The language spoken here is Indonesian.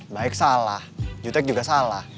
baik salah jutek juga salah